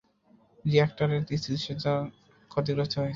রিয়্যাক্টরের স্থিতিশীলতা ক্ষতিগ্রস্ত হয়েছে।